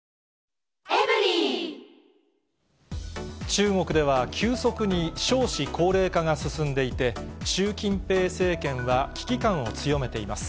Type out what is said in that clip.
中国では急速に少子高齢化が進んでいて、習近平政権は危機感を強めています。